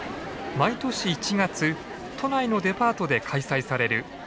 毎年１月都内のデパートで開催される駅弁大会。